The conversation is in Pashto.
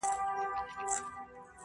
که له ځانه لرې کول یې بهتره وو